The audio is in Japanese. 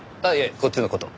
こっちの事。